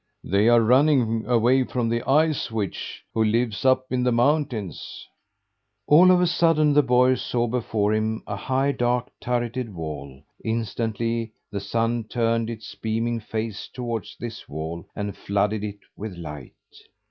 "They are running away from the Ice Witch, who lives up in the mountains." All of a sudden the boy saw before him a high, dark, turreted wall. Instantly the Sun turned its beaming face toward this wall and flooded it with light.